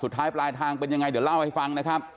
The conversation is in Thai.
ท้ายปลายทางเป็นยังไงเดี๋ยวเล่าให้ฟังนะครับ